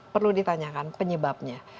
perlu ditanyakan penyebabnya